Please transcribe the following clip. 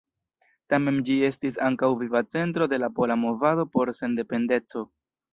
Tamen ĝi estis ankaŭ viva centro de la pola movado por sendependeco.